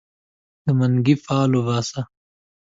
د منګې فال وباسه